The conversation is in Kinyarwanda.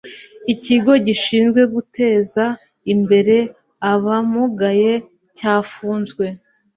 ikigo gishinzwe guteza imbere abamugaye cyafuzwe